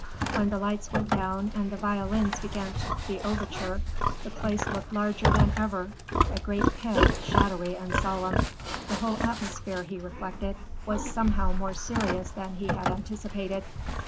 When the lights went down and the violins began the overture, the place looked larger than ever; a great pit, shadowy and solemn. The whole atmosphere, he reflected, was somehow more serious than he had anticipated.